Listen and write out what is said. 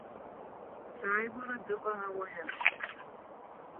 Сааигәара дыҟан ауаҩы!